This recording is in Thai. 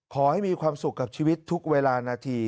ขอให้มีความสุขกับชีวิตทุกเวลานาที